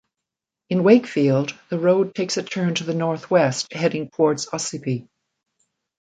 In Wakefield, the road takes a turn to the northwest heading towards Ossipee.